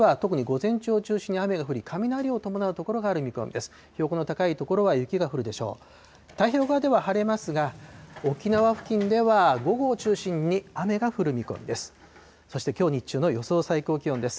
太平洋側では晴れますが、沖縄付近では、午後を中心に雨が降る見込みです。